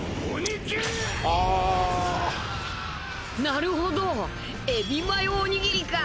「なるほどエビマヨおにぎりか」